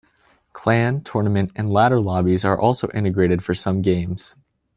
Clan, tournament and ladder lobbies are also integrated for some games.